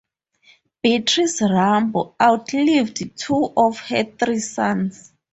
Beatrice Rambo outlived two of her three sons.